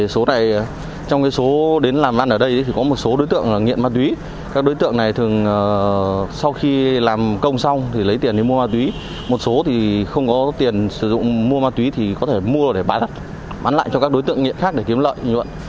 tuy nhiên ở đây có một số đối tượng nghiện ma túy các đối tượng này thường sau khi làm công xong thì lấy tiền để mua ma túy một số thì không có tiền sử dụng mua ma túy thì có thể mua để bán lại cho các đối tượng nghiện khác để kiếm lợi nhuận